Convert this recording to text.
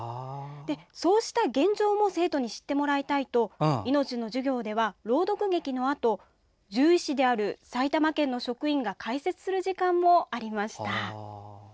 そうした現状も生徒に知ってもらいたいと命の授業では、朗読劇のあと獣医師である埼玉県の職員が解説する時間もありました。